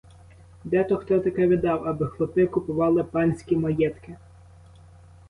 Де то хто таке видав, аби хлопи купували панські маєтки?